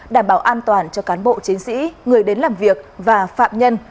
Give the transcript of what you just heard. đảm bảo an toàn cho cán bộ chiến sĩ người đến làm việc và phạm nhân